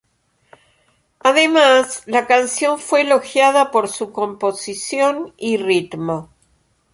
Además, la canción fue elogiada por su composición y ritmo.